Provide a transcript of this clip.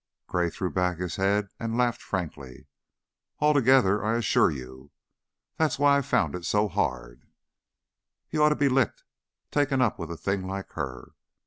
Gray threw back his head and laughed frankly. "Altogether, I assure you. That's why I found it so hard." "He oughta been licked! Takin' up with a a thing like her."